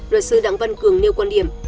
luật sư đặng vân cường nêu quan điểm